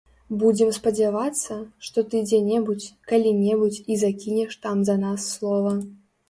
Будзем спадзявацца, што ты дзе-небудзь, калі-небудзь і закінеш там за нас слова.